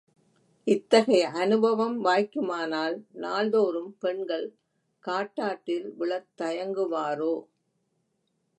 இத்தகைய அனுபவம், வாய்க்குமானால், நாள்தோறும் பெண்கள் காட்டாற்றில் விழத்தயங்குவாரோ!